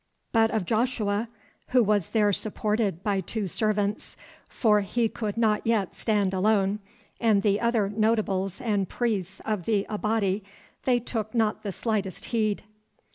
But of Joshua, who was there supported by two servants, for he could not yet stand alone, and the other notables and priests of the Abati, they took not the slightest heed.